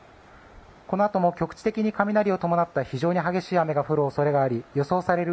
このあとも局地的に雷を伴った非常に激しい雨が降る恐れがあり予想される